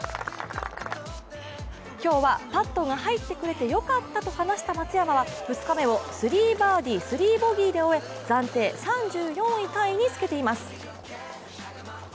今日はパットが入ってくれてよかったと話した松山は、２日目を３バーディー３ボギーで終え暫定３４位タイにつけています。